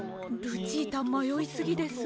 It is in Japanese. ルチータまよいすぎです。